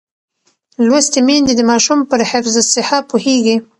لوستې میندې د ماشوم پر حفظ الصحه پوهېږي.